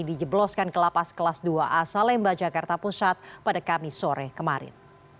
dijebloskan ke lapas kelas dua a salemba jakarta pusat pada kamis sore kemarin